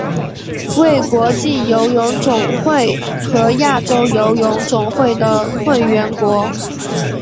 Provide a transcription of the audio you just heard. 为国际游泳总会和亚洲游泳总会的会员国。